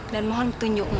dan mohon tunjuknya